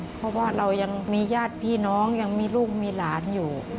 เพราะว่าเรายังมีญาติพี่น้องยังมีลูกมีหลานอยู่